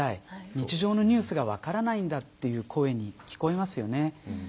日常のニュースが分からないんだという声に聞こえますよね。